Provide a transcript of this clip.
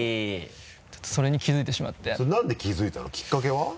ちょっとそれに気づいてしまってそれなんで気づいたの？きっかけは？